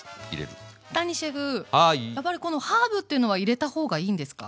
やっぱりこのハーブというのは入れた方がいいんですか？